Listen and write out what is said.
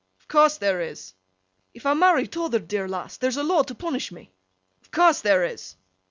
'Of course there is.' 'If I marry t'oother dear lass, there's a law to punish me?' 'Of course there is.